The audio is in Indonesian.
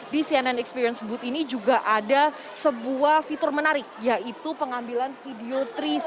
di cnn experience boot ini juga ada sebuah fitur menarik yaitu pengambilan video tiga ratus